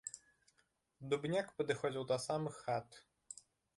Дубняк падыходзіў да самых хат.